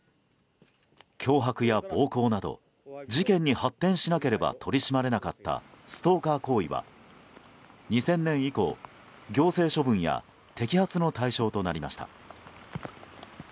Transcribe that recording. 脅迫や暴行など事件に発展しなければ取り締まれなかったストーカー行為は２０００年以降、行政処分や摘発の対象となりました。